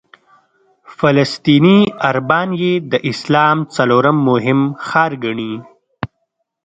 فلسطیني عربان یې د اسلام څلورم مهم ښار ګڼي.